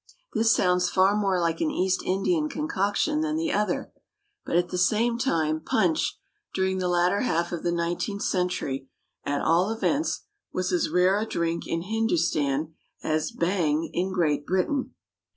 This sounds far more like an East Indian concoction than the other; but at the same time punch during the latter half of the nineteenth century at all events was as rare a drink in Hindustan as bhang in Great Britain.